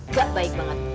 gak baik banget